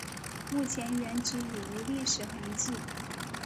目前原址已无历史痕迹。